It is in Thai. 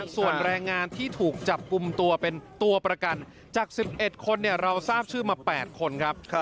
ส่วนแรงงานที่ถูกจับกลุ่มตัวเป็นตัวประกันจาก๑๑คนเราทราบชื่อมา๘คนครับ